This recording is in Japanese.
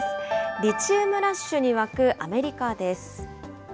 リチウムラッシュに沸くアメリカです。